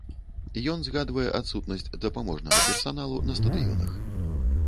Ён згадвае адсутнасць дапаможнага персаналу на стадыёнах.